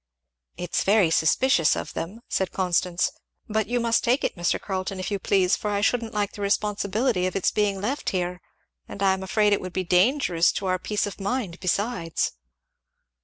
"It's very suspicious of them," said Constance; "but you must take it, Mr. Carleton, if you please, for I shouldn't like the responsibility of its being left here; and I am afraid it would be dangerous to our peace of mind, besides."